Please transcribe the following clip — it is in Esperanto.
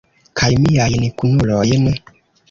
Kaj miajn kunulojn?